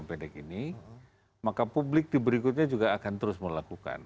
jika sudah sampai ke kini maka publik di berikutnya juga akan terus melakukan